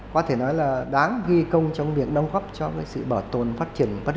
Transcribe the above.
có thể nói là đáng ghi công trong việc nâng góp cho cái sự bảo tồn phát triển